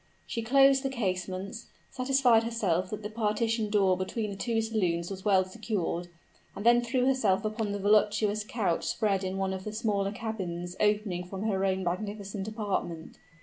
She closed the casements, satisfied herself that the partition door between the two saloons was well secured, and then threw herself upon the voluptuous couch spread in one of the smaller cabins opening from her own magnificent apartment.